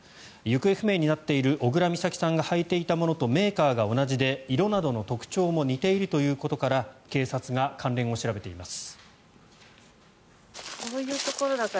行方不明になっている小倉美咲さんが履いていたものとメーカーが同じで色などの特徴も似ているということから警察が関連を調べています。